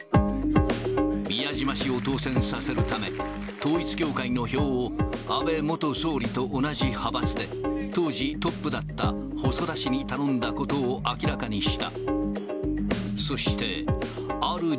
宮島氏を当選させるため、統一教会の票を安倍元総理と同じ派閥で、当時、トップだった細田氏に頼んだことを明らかにした。